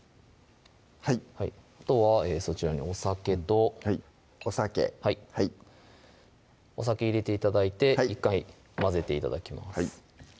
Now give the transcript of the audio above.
はいあとはそちらにお酒とお酒はいお酒入れて頂いて１回混ぜて頂きます